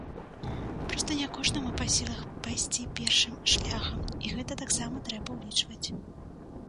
Проста не кожнаму па сілах пайсці першым шляхам і гэта таксама трэба ўлічваць.